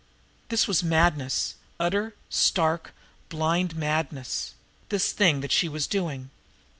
This was madness, utter, stark, blind madness, this thing that she was doing!